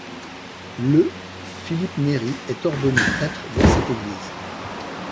Le , Philippe Néri est ordonné prêtre dans cette église.